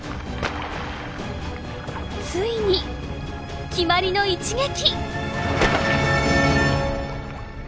ついに決まりの一撃！